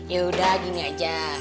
ya udah gini aja